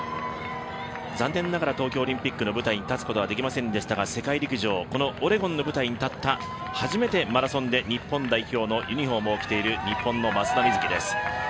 残念ながら東京オリンピックの舞台に立つことはできませんでしたが世界陸上このオレゴンの舞台に立った、初めてマラソンで日本代表のユニフォームを着ている松田瑞生選手です。